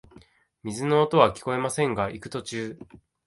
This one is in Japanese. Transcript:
水の音はきこえませんが、行く途中、